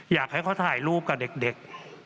อยากให้เขาถ่ายรูปกับเด็ก